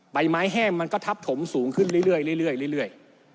ใบไม้แห้งมันก็ทับถมสูงขึ้นเรื่อย